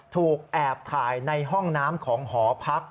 ถูกแอบถ่ายในห้องน้ำของหอพัก